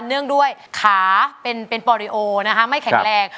เนื่องด้วยขาเป็นปอริโอนะคะไม่แข็งแรง